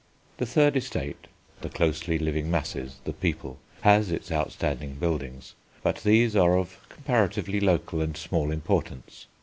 The third estate, the closely living masses, the people, has its outstanding buildings, but these are of comparatively local and small importance.